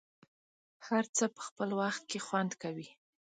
هر څه په خپل وخت کې خوند کوي.